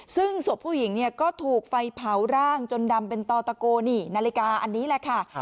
ซึ่งศพผู้หญิงเนี่ยก็ถูกไฟเผาร่างจนดำเป็นต่อตะโกนี่นาฬิกาอันนี้แหละค่ะ